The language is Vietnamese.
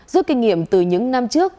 giúp kinh nghiệm từ những năm trước